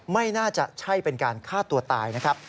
ไม่น่าจะใช่เป็นการฆ่าตัวตายนะครับ